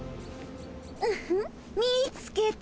ンフッ見つけた。